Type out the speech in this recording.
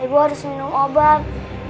ibu harus minum obat